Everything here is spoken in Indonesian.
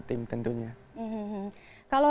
tim tentunya kalau